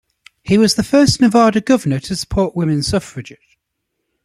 He was the first Nevada governor to support Women's Suffrage.